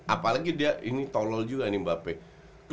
apalagi tolol juga mba pe